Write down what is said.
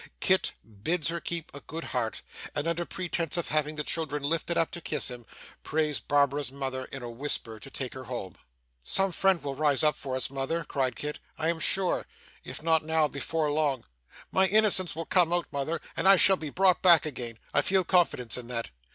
Kit bids her keep a good heart, and, under pretence of having the children lifted up to kiss him, prays Barbara's mother in a whisper to take her home. 'Some friend will rise up for us, mother,' cried Kit, 'I am sure. If not now, before long. My innocence will come out, mother, and I shall be brought back again; I feel confidence in that.